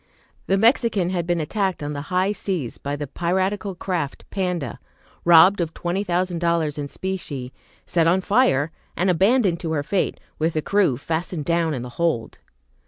The "Mexican" had been attacked on the high seas by the piratical craft "Panda," robbed of twenty thousand dollars in specie, set on fire, and abandoned to her fate, with the crew fastened down in the hold.